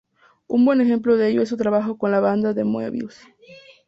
Un buen ejemplo de ello es su trabajo con la banda de Moebius.